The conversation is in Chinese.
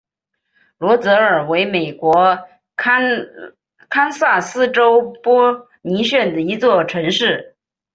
罗泽尔为美国堪萨斯州波尼县的一座城市。